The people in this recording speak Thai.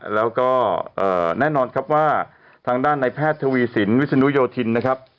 แล้วก็แน่นอนครับว่าทางด้านในแพทย์ทวีสินวิศนุโยธินนะครับ